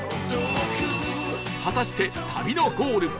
果たして旅のゴール